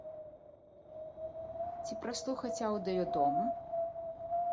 Ці праслухаць аўдыё дома?